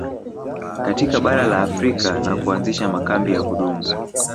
Katika bara la Afrika na kuanzisha makambi ya kudumu